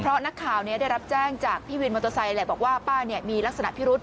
เพราะนักข่าวได้รับแจ้งจากพี่วินมอเตอร์ไซค์แหละบอกว่าป้าเนี่ยมีลักษณะพิรุษ